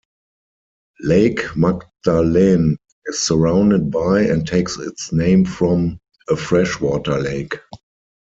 Lake Magdalene is surrounded by, and takes its name from, a freshwater lake.